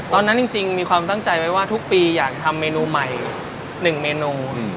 ตอนนั้นจริงจริงมีความตั้งใจไว้ว่าทุกปีอยากทำเมนูใหม่หนึ่งเมนูอืม